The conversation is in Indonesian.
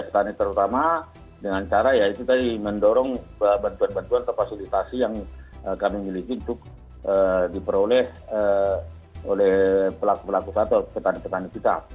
petani terutama dengan cara ya itu tadi mendorong bantuan bantuan atau fasilitasi yang kami miliki untuk diperoleh oleh pelaku pelaku atau petani petani kita